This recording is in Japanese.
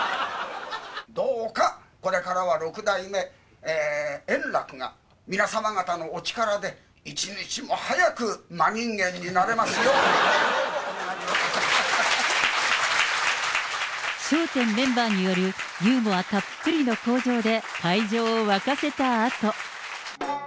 どうかこれからは六代目円楽が、皆様方のお力で一日も早く真人間になれますよう、よろしくお願いを申し上げます。